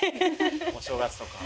お正月とか。